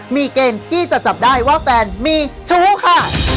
มีเกณฑ์ที่จะจับได้ว่าแฟนมีชู้ค่ะ